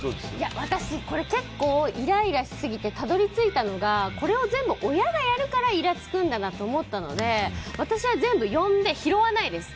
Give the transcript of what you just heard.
私、これ結構イライラしすぎてたどり着いたのがこれを全部親がやるからイラつくんだなと思ったので私は全部呼んで拾わないです。